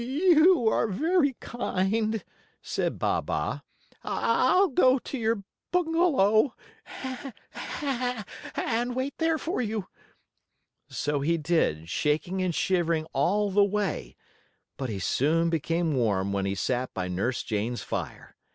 "You are very kind," said Baa baa. "I'll go to your bungalow and wait there for you." So he did, shaking and shivering all the way, but he soon became warm when he sat by Nurse Jane's fire.